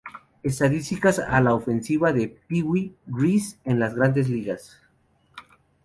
Estadísticas a la ofensiva de Pee Wee Reese en las Grandes Ligas.